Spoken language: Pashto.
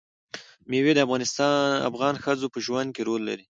مېوې د افغان ښځو په ژوند کې رول لري.